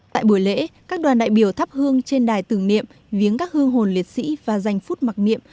tại buổi lễ các đoàn đại biểu thắp hương trên đài tưởng niệm viếng các hương hồn liệt sĩ và dành phút mặc niệm